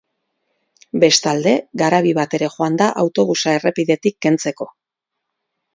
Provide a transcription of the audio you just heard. Bestalde, garabi bat ere joan da autobusa errepidetik kentzeko.